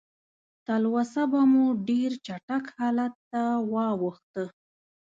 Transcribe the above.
تلوسه به مو ډېر چټک حالت ته واوښته.